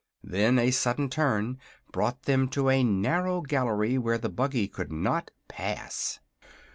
Then a sudden turn brought them to a narrow gallery where the buggy could not pass.